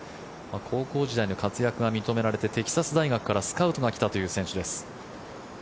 高校時代の活躍が認められてテキサス大学からスカウトが来たという選手です。